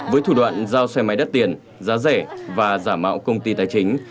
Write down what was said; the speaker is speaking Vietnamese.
với thủ đoạn giao xe máy đắt tiền giá rẻ và giả mạo công ty tài chính